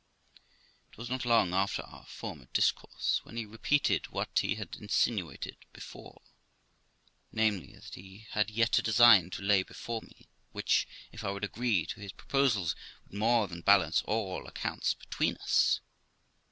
It was not long after our former discourse, when he repeated what he had insinuated before, namely, that he had yet a design to lay before me, which, if I would agree to his proposals, would more than balance all accounts between us.